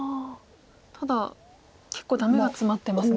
ただ結構ダメがツマってますね。